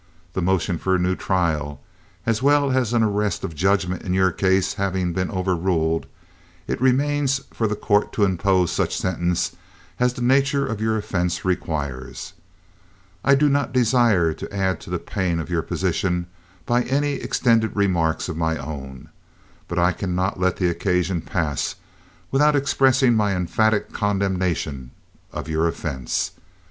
"The motion for a new trial as well as an arrest of judgment in your case having been overruled, it remains for the court to impose such sentence as the nature of your offense requires. I do not desire to add to the pain of your position by any extended remarks of my own; but I cannot let the occasion pass without expressing my emphatic condemnation of your offense.